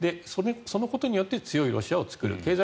そのことによって強いロシアを作る。